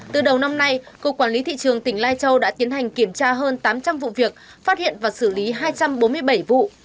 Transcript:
từ đầu năm nay cục quản lý thị trường tỉnh lai châu đã tiến hành kiểm tra hơn tám trăm linh vụ việc phát hiện và xử lý hai trăm bốn mươi bảy vụ